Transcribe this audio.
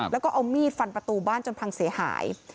แล้วก็เอามีดฟันประตูบ้านจนพังเสียหาย